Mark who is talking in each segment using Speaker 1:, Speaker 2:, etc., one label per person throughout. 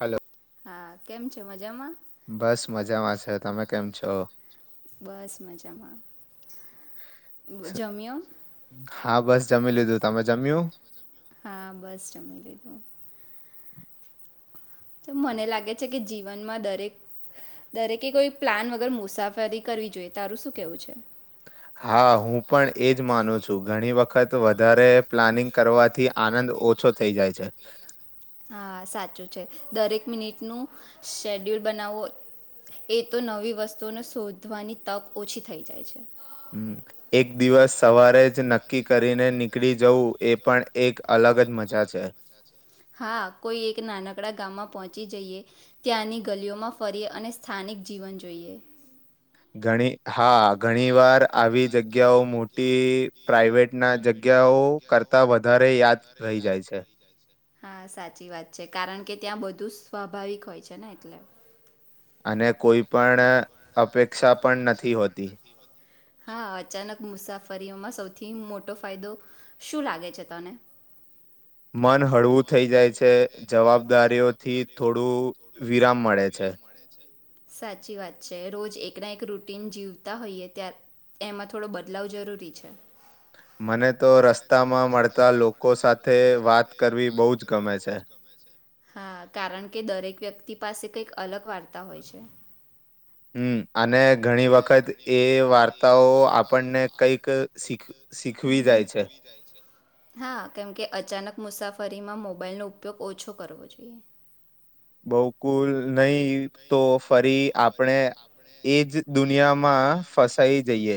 Speaker 1: Hello.
Speaker 2: હા, કેમ છો મજામાં?
Speaker 1: બસ મજામાં છે, તમે કેમ છો?
Speaker 2: બસ મજામાં
Speaker 1: સ
Speaker 2: જમ્યો
Speaker 1: ગ હા, બસ જમી લીધું તમે જમ્યું?
Speaker 2: હા, બસ જમી લીધું. તો મને લાગે છે કે જીવનમાં દરેક દરેકે કોઈ પ્લાન વગર મુસાફરી કરવી જોઈએ તારું શું કેવું છે?
Speaker 1: હા હું પણ એજ માનું છું ઘણી વખત વધારે પ્લાનિંગ કરવાથી આનંદ ઓછો થઈ જાય છે
Speaker 2: હા સાચું છે દરેક મિનિટનું શેડ્યુલ બનાવો એ તો નવી વસ્તુઓને શોધવાની તક ઓછી થઈ જાય છે
Speaker 1: હમ એક દિવસ સવારે જ નક્કી કરીને નીકળ જવું એ પણ એક અલગ જ મજા છે
Speaker 2: હા કોઈ એક નાનકડા ગામમાં પહોંચી જઈએ ત્યાંની ગલીઓમાં ફરીએ અને સ્થાનિક જીવન જોઈએ
Speaker 1: ઘણી હા ઘણી વાર આવી જગ્યાઓ મોટી પ્રાઇવેટ
Speaker 2: પ્રાાઈવેટ ના જગ્યાઓ કરતા
Speaker 1: યાદ
Speaker 2: વધારે
Speaker 1: રહી
Speaker 2: યાદ
Speaker 1: જાય છે
Speaker 2: થઈ જાય છે હા સાચી વાત છે કારણ કે ત્યાં બધું જ સ્વાભાવિક હોય છે ને એટલે
Speaker 1: અને કોઈ પણ અપેક્ષા પણ નથી હોતી
Speaker 2: હા અચાનક મુસાફરીઓમાં સૌથી મોટો ફાયદો શું લાગે છે તને
Speaker 1: મન હળવું થઈ જાય છે જવાબદારીઓથી થોડું વિરામ મળે છે
Speaker 2: સાચી વાત છે રોજ એકના એક રૂટીન જીવતા હોઈએ ત એમાં થોડો બદલાવ જરૂરી છે
Speaker 1: મને તો રસ્તામાં મળતા લોકો સાથે વાત કરવ
Speaker 2: વાત કરવી બહુ જ ગમે છે હા કારણ કે દરેક વ્યક્તિ પાસે કંઈક અલગ વાર્તા હોય છે
Speaker 1: હમ અને ઘણી વખત એ વાર્તાઓ આપણને કંઈક શીખ શીખવી જાય છે
Speaker 2: હા કેમકે અચાનક મુસાફરીમાં મોબાઈલનો ઉપયોગ ઓછો કરવો જોઈએ
Speaker 1: બહુકુલ નહી તો ફરી આપણે એજ દુનિયામાં ફસ્ટ થઈ જઈએ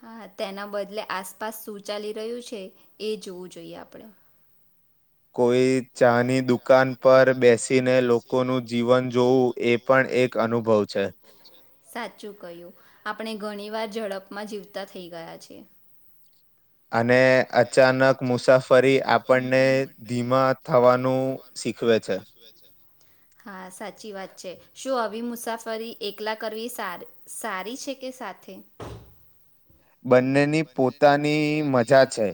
Speaker 2: હા તેના બદલે આસપાસ શું ચાલી રહ્યું છે એ જોવું જોઈએ આપણે
Speaker 1: કોઈ ચાની દુકાન પર બેસીને લોકોનું જીવન જોવું એ પણ એક અનુભવ છે
Speaker 2: સાચું કહ્યું. આપણે ઘણીવાર ઝડપમાં જીવતા થઈ ગયા છેી
Speaker 1: અને
Speaker 2: અને
Speaker 1: અચાનક
Speaker 2: અચાનક
Speaker 1: મુસાફરી
Speaker 2: મુસાફરી
Speaker 1: આપણને
Speaker 2: આપણને ધીમા થવાનું
Speaker 1: શીખવે છે
Speaker 2: શીખવે છે, સાચી વાત છે શું આવી મુસાફરી એકલા કરવી સારી છે કે સાથે
Speaker 1: બંનેની પોતાની મજા છે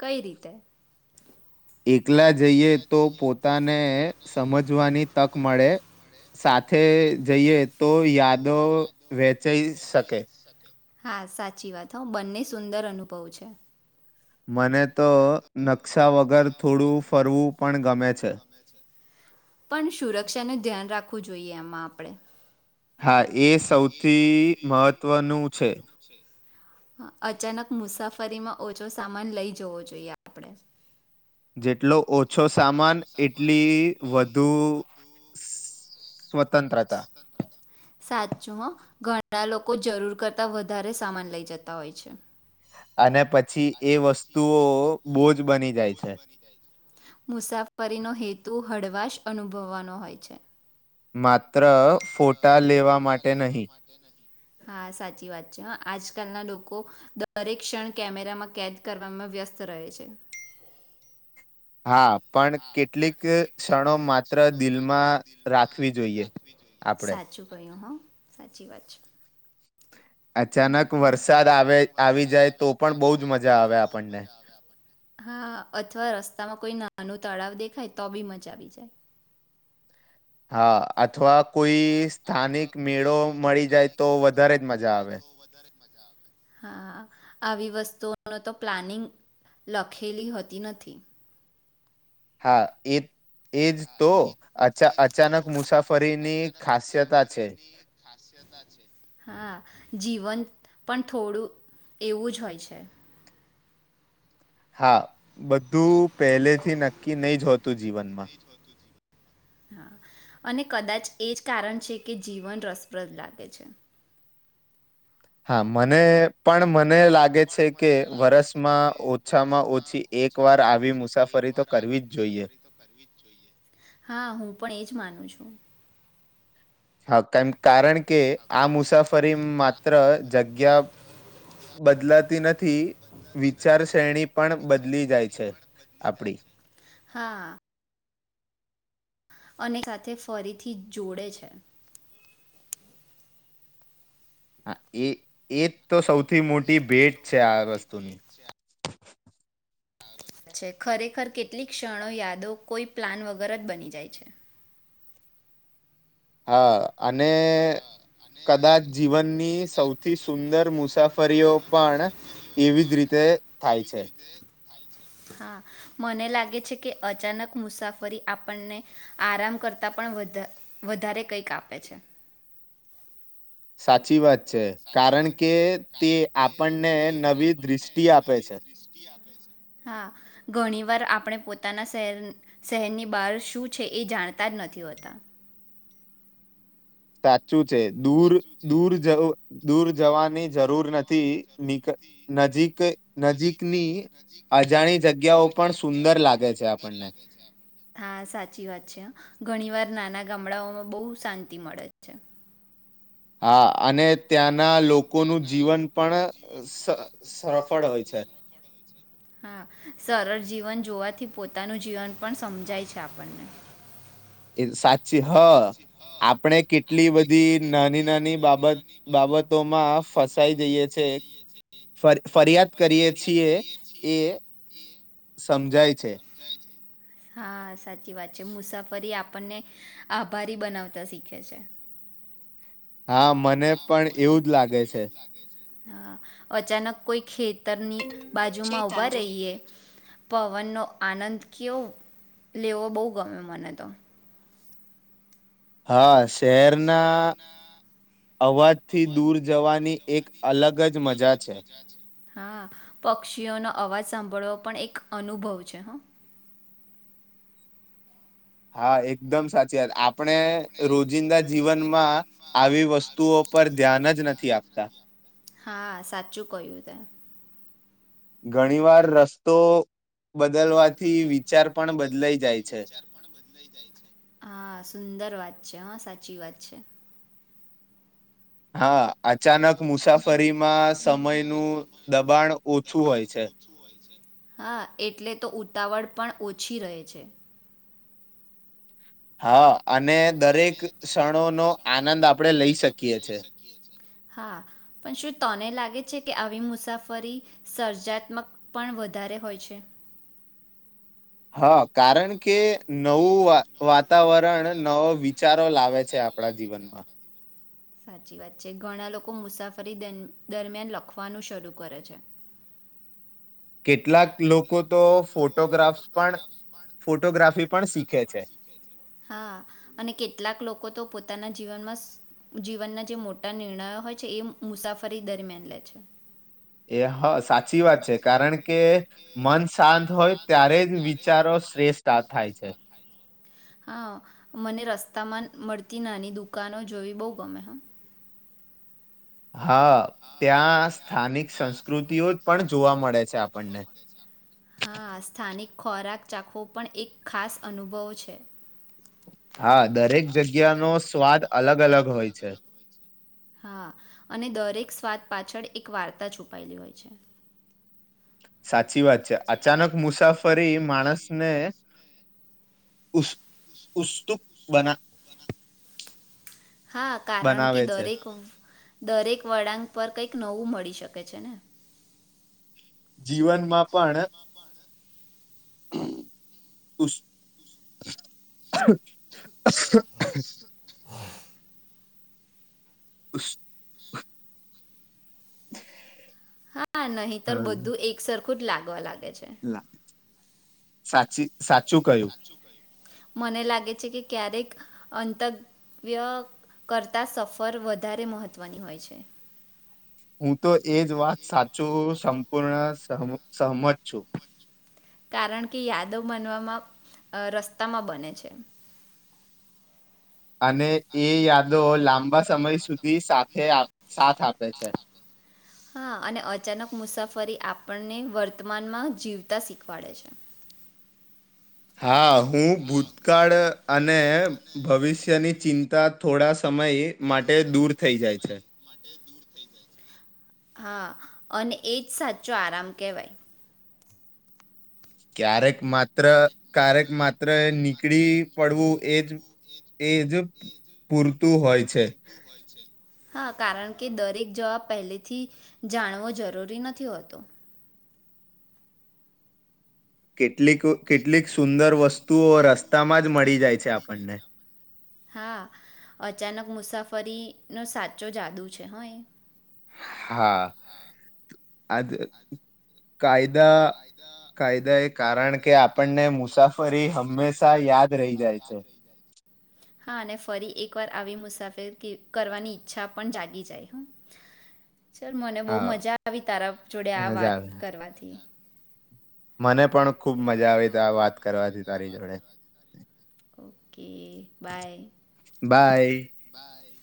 Speaker 2: કઈ રીતે
Speaker 1: એક એકલા જઈએ તો પોતાને સમજવાની તક મળે સાથે જઈએ તો યાદો વેચાઈ શક ઓકે
Speaker 2: હા સાચી વાત હોઉ બંને સુંદર અનુભવ છે
Speaker 1: મને તો ન ગમે છે
Speaker 2: પણ સુરક્ષા ને ધ્યાન રાખ રાખવું જોઈએ એમાં આપડે.
Speaker 1: હા, એ સૌથી મહત્વનું છે.
Speaker 2: હા અચાનક મુસાફરીમાં ઓછો સામાન લઈ જવો જોઈએ આપડે.
Speaker 1: જેટલો ઓછો
Speaker 2: જેટલો ઓછો
Speaker 1: સામાન
Speaker 2: સામાન એટલી વધુ
Speaker 1: સ્વત તંત્રતા.
Speaker 2: ચું હ ઘણા લોકો જરૂર કરતા વધારે સામાન લઈ જતા હોય છે.
Speaker 1: અને પછી એ વસ્તુઓ બોજ બની જાય છે.
Speaker 2: મુસાફરી નો હેતુ હળવાશ અનુભવવાનો હોય છે.
Speaker 1: માત
Speaker 2: માત્ર ફોટા લેવા
Speaker 1: નહીં.
Speaker 2: માટે નહીં હા, સાચી વાત છે આજકાલના લોકો દરેક ક્ષણ કેમેરામાં કેદ કરવામાં વ્યસ્ત રહે છે.
Speaker 1: હા. પણ કેટલીક ક્ષણો માત્ર દિલમાં રાખવી જોઈએ આપડે.
Speaker 2: સાચું કહ્યું હા સાચી વાત છે.
Speaker 1: અચાનક વરસાદ આવે આવી જાય તો પણ બહુ જ મજા આવે આપણને.
Speaker 2: હા અથવા રસ્તામાં કોઈ નાનું તળાવ દેખાય તો બી મચા આવી જાય.
Speaker 1: હા અથવા કોઈ સ્થાનિક મેળો મળી જાય તો વધારે જ મજા આવે.
Speaker 2: હા, આવી વસ્તુઓ ન તો પ્લાનિંગ લખેલી હોતી નથી.
Speaker 1: હા એ એજ તો અચા અચાનક મુસાફરીની ખાસ્યતા છે.
Speaker 2: જીવંત પણ થોડું એવું જ હોય છે.
Speaker 1: હા. બધું પહેલેથી નક્કી નહી જ હોતું જીવનમાં.
Speaker 2: હા અને કદાચ એ જ કારણ છે કે જીવન રસપ્રદ લાગે છે.
Speaker 1: હા, મર વરસમાં ઓછામાં ઓછી એક વાર આવી મુસાફરી તો કરવી જ જોઈએ
Speaker 2: હા હું પણ એજ માનું છું.
Speaker 1: હા કન કારણ કે આ મુસાફરી માત્ર જગ્યા બદલાતી નથ થી વિચાર શ્રેણી પણ બદલી જાય છે આપડી.
Speaker 2: હા અને સાથે ફરીથી જોડે છે.
Speaker 1: હા, એ એ તો સૌ થી મોટી ભેટ છે આ વસ્તુની.
Speaker 2: છે ખરેખર કેટલીક ક્ષણો યાદો કોઈ પ્લાન વગર જ બની જાય છે.
Speaker 1: હા. અને કદાચ જીવનની સૌથી સુંદર મુસાફરીઓ પણ એવી જ રીતે થાય છે.
Speaker 2: હા, મને લાગે છે કે અચાનક મુસાફરી આપણને આરામ કરતા પણ વધા-વધારે કંઈક આપે છે.
Speaker 1: સાચી વાત. છે કારણ કે તે આપણને નવી દૃષ્ટિ આપે છે
Speaker 2: હા, ઘણી વાર આપણે પોતાના શહેર શહેરની બહાર શું છે એ જાણતા જ નથી હોતા.
Speaker 1: તા શું છે દૂર દૂર જવું દૂર જવાની જરૂર નથી નીક નજીક નજીકની અજાણી જગ્યાઓ પણ સુંદર લાગે છે આપણને.
Speaker 2: હા, સાચી વાત છે હ ઘણી વાર નાના ગામડાઓમાં બહુ શાંતિ મળે છે.
Speaker 1: હા અને ત્યાંના લોકોનું જીવન પણ સ-સફળ હોય છે.
Speaker 2: હા, સરળ જીવન જોવાથી પોતાનું જીવન પણ સમજાય છે આપણને.
Speaker 1: એ સાચી હ આપણે કે ટલી બધી નાની નાની બાબત બાબતોમાં ફસાઈ જઈએ છે ફરિયાદ કરીએ છીએ એ સમજાય છે.
Speaker 2: હા. સાચી વાત છે મુસાફરી આપ આપને આભારી બનાવતા શીખે છે.
Speaker 1: હા, મને પણ એવું જ લાગે છે.
Speaker 2: હા, અચાનક કોઈ ખેત તરની બાજુમાં ઊભા રહીએ પવનનો આનંદ કેવું લેવો બહુ ગમે મને તો.
Speaker 1: હા, શહેરના અવાજથી દૂર જવાની એક અલગ જ મજા છે.
Speaker 2: હા, પક્ષીઓનો અવાજ સાંભળવાો પણ એક અનુભવ છે હ.
Speaker 1: હા, એકદમ સાચી વાત આપડે રોજિંદા જીવનમાં આવી વસ્તુઓ પર ધ્યાન જ નથી આપતા.
Speaker 2: હા સાચું કહ્યું તે.
Speaker 1: ઘણી વાર રસ્તો બદલવાથી વિચાર પણ બદલાઈ જાય
Speaker 2: બથી
Speaker 1: છે
Speaker 2: વિચાર બદ જાય છે હા સુંદર વાત. હા સાચી વાત છે.
Speaker 1: હા અચાનક મુસાફરીમાં સમયનું દબાણ ઓછું હોય છે.
Speaker 2: હા એટલે તો ઉતાવળ પણ ઓછી રહે છે.
Speaker 1: હા અને દરેક ક્ષણો નો આનંદ આપણે લઈ શકીએ છે.
Speaker 2: હા પણ શું તને લાગે છે કે આવી મુસાફરી સર્જાત્મક પણ વધારે હોય છે.
Speaker 1: હા કારણ કે નવું વાત વાતાવરણ નવો વિચારો લાવે છે આપણા જીવનમાં
Speaker 2: સાચી વાત છે ઘણા લોકો મુસાફરી દરમિયાન લખવાનું શરૂ કરે છે.
Speaker 1: કેટલાક લોકો તો ફોટોગ્રાફ્સ પણ ફોટોગ્રાફી પણ શીખે છે.
Speaker 2: હા અને કેટલાક લોકો પોતાના જીવનમાં જીવનના જે મોટા નિર્ણયો હોય છે એ મુસાફરી દરમિયાન લે છે.
Speaker 1: એ હા સાચી વાત છે કારણ કે મન શાંત હોય ત્યારે જ વિચારો શ્રેષ્ઠ થાય છે.
Speaker 2: હા મને રસ્તામાં મળતી નાની દુકાનો જોવી બહ ગમે હ.
Speaker 1: હા ત્યાં સ્થાનિક સંસ્કૃતિઓ જ પણ જોવા મળે છે આપણને.
Speaker 2: હા સ્થાનિક ખોરાક ચાખવો પણ એક ખાસ અનુભવ છે.
Speaker 1: હા દરેક જગ્યાનો સ્વાદ અલગ અલગ હોય છે.
Speaker 2: હા અને દરેક સ્વાદ પાછળ એક વાર્તા છુપાયેલી હોય છે.
Speaker 1: સાચી વાત છે. અચાનક મુસાફરી માણસને ઉસ ઉસ્તુક બના
Speaker 2: હા, કારણ કે
Speaker 1: બનાવે છે
Speaker 2: દરેક દરેક વળાંક પર કઈક નવું મળી શકે છે ને.
Speaker 1: જીવનમાં પણ પુશ પુશ
Speaker 2: હા નહી તર બધું એક સર ખુદ લાગવા લાગ
Speaker 1: લા સાચી સાચું કહ્યું
Speaker 2: મને લાગે છે કે ક્યારેક અંતવ્ય કરતા સફર વધારે મહત્વની હોય છે.
Speaker 1: હું તો એજ વાત સાચું સંપૂર્ણ સહમ સહમત છું.
Speaker 2: કારણ કે યાદો બનવામાં અહ રસ્તામાં બને છે.
Speaker 1: અને એ યાદો લાંબા સમય સુધી સાથે આપ સાથ આપે છે.
Speaker 2: હા અને અચાનક મુસાફરી આપણને વર્તમાનમાં જીવતા શીખવાડે છે.
Speaker 1: હા, હું ભૂતકાળ અને ભવિષ્યની ચિંતા થોડા સમય માટે દૂર થઈ જાય છે.
Speaker 2: હા અને એજ સાચો આરામ કેહેવાય.
Speaker 1: ક્યારેક માત્ર ક્યારેક માત્ર નીકળી પડવું એજ એજ પૂરતું હોય છે.
Speaker 2: હા કારણ કે દરેક જવાબ પહેલેથી જાણવો જરૂરી નથી હોતો.
Speaker 1: કે કેટલીક કેટલીક સુંદર વસ તુંઓ
Speaker 2: [inaudible]
Speaker 1: રસ્તામાં જ મળી જાય છે આપણને
Speaker 2: હા અચાનક મુસા તાફરીનો સાચો જાદુ છે હ એ
Speaker 1: હા [inaudible] કાય કાયદા કાયદા એક કારણ કે આપણને મુસાફ
Speaker 2: આપન ને મુસાફરી હંમેશા યાદ રહી જાય છે હા અને ફરી એકવાર આવી મુસા [inaudible] કરવાની ઈચ્છા પણ જાગી જાય હ. ચાલ મને બો
Speaker 1: હા
Speaker 2: મજા આવી તારા જોડે આ
Speaker 1: મજા
Speaker 2: વાત
Speaker 1: આવે
Speaker 2: કરવાથી
Speaker 1: મને પણ ખુબ મજા આવી તા વાત કરવાથી તારી જોડે
Speaker 2: ઓ કે બાય બાય.